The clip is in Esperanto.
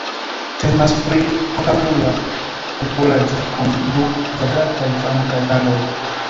Temas pri okangula kupolaĵo kun du kvadrataj flankaj aloj.